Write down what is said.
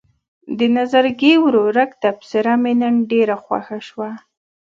د نظرګي ورورک تبصره مې نن ډېره خوښه شوه.